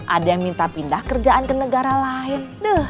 ada yang minta pindah kerjaan ke negara lain